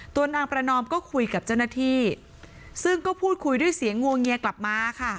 นางประนอมก็คุยกับเจ้าหน้าที่ซึ่งก็พูดคุยด้วยเสียงงวงเงียกลับมาค่ะ